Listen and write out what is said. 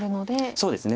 そうですね。